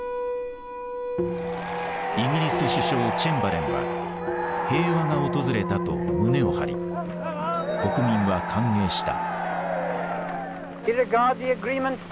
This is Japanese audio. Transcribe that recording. イギリス首相チェンバレンは平和が訪れたと胸を張り国民は歓迎した。